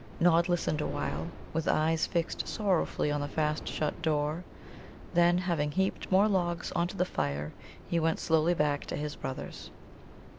Nod listened awhile, with eyes fixed sorrowfully on the fast shut door; then, having heaped more logs on to the fire, he went slowly back to his brothers.